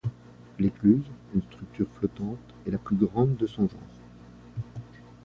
L'écluse, une structure flottante, est la plus grande de son genre.